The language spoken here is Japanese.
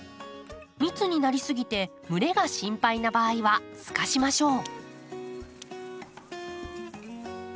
密になりすぎて蒸れが心配な場合はすかしましょう。